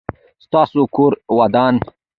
ستاسو کور ودان؟